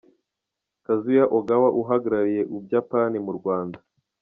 Kazuya Ogawa uhagrariye u byapani mu Rwanda.